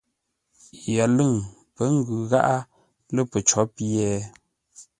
Yəlʉ̂ŋ pə́ ngʉ gháʼá lə̂ pəcó pye?